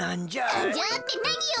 「なんじゃ」ってなによ。